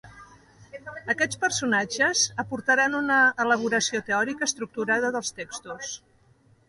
Aquests personatges aportaran una elaboració teòrica estructurada dels textos.